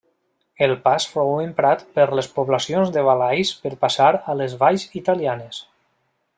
El pas fou emprat per les poblacions del Valais per passar a les valls italianes.